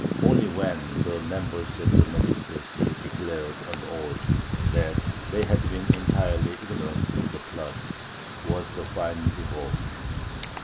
Only when the members of the magistracy declared under oath that they had been entirely ignorant of the plot was the fine revoked.